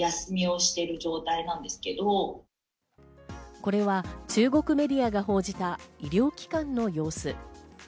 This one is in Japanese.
これは中国メディアが報じた医療機関の様子。